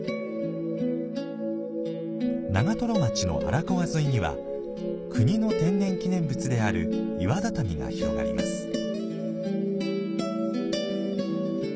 長瀞町の荒川沿いには、国の天然記念物である岩畳が広がります。